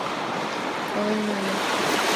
Пален нальыч.